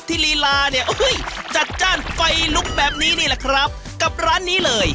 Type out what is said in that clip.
ลีลาเนี่ยจัดจ้านไฟลุกแบบนี้นี่แหละครับกับร้านนี้เลย